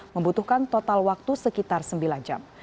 membutuhkan total waktu sekitar sembilan jam